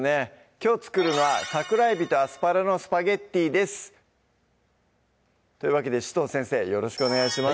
きょう作るのは「桜えびとアスパラのスパゲッティ」ですというわけで紫藤先生よろしくお願いします